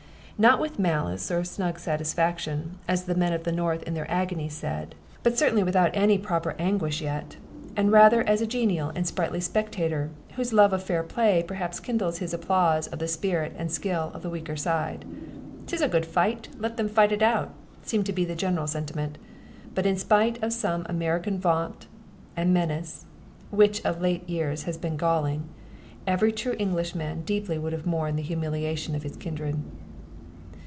Not with malice, or snug satisfaction, as the men of the North in their agony said, but certainly without any proper anguish yet, and rather as a genial and sprightly spectator, whose love of fair play perhaps kindles his applause of the spirit and skill of the weaker side. "'Tis a good fight let them fight it out!" seemed to be the general sentiment; but in spite of some American vaunt and menace (which of late years had been galling) every true Englishman deeply would have mourned the humiliation of his kindred.